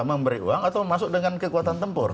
memberi uang atau masuk dengan kekuatan tempur